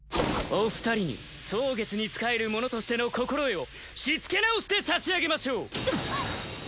お二人に蒼月に仕える者としての心得をしつけ直してさしあげましょう！